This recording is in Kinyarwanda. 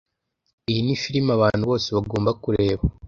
Iyi ni film abantu bose bagomba kureba.